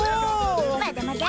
まだまだ！